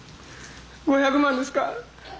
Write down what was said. ５００万ですか？